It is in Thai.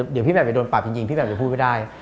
เดี๋ยวพี่แบบจะโดนปรับจริงพี่แบบจะพูดไม่ได้